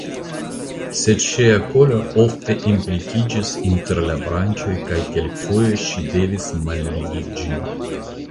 Sed ŝia kolo ofte implikiĝis inter la branĉoj kaj kelkfoje ŝi devis malligi ĝin.